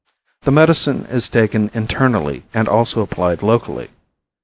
The medicine is taken internally and also applied locally.